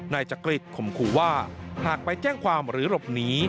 นายจักริตข่มขู่ว่าหากไปแจ้งความหรือหลบหนี